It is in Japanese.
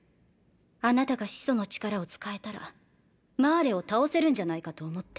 あなたが「始祖の力」を使えたらマーレを倒せるんじゃないかと思って。